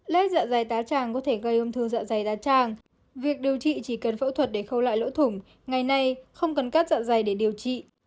lết dọa dày tá tràng có thể gây ung thư dọa dày tá tràng việc điều trị chỉ cần phẫu thuật để khâu lại lỗ thủng ngày nay không cần cắt dọa dày để điều trị